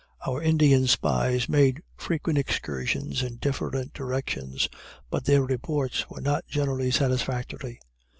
Our Indian spies made frequent excursions in different directions, but their reports were not generally satisfactory.